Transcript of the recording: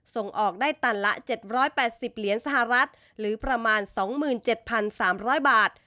ส่งออกได้ตันละ๗๘๐เหรียญสหรัฐหรือประมาณ๒๗๓๐๐บาท